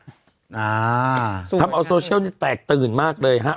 อ่าสุดท้ายทำเอาโซเชียลเนี่ยแตกตื่นมากเลยฮะ